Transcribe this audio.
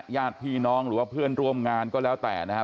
ญาติพี่น้องหรือว่าเพื่อนร่วมงานก็แล้วแต่นะฮะ